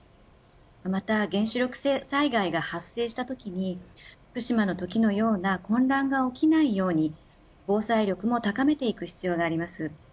また原子力災害が発生したときに福島のときのような混乱が起きないように防災力も高めていく必要があります。